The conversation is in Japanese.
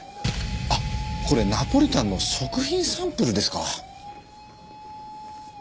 あっこれナポリタンの食品サンプルですか。